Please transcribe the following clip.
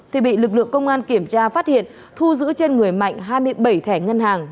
thì bị lực lượng công an kiểm tra phát hiện thu giữ trên người mạnh hai mươi bảy thẻ ngân hàng